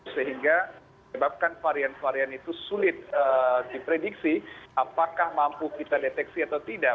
sehingga menyebabkan varian varian itu sulit diprediksi apakah mampu kita deteksi atau tidak